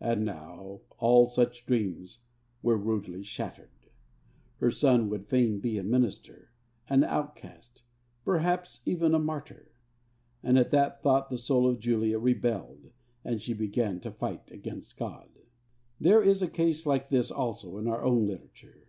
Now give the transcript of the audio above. And now all such dreams were rudely shattered. Her son would fain be a minister, an outcast, perhaps even a martyr. And at that thought the soul of Julia rebelled, and she began to fight against God. There is a case like this, also, in our own literature.